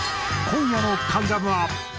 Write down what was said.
今夜の『関ジャム』は。